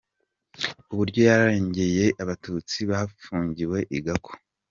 Uburyo yarengeye Abatutsi bafungiwe i Gako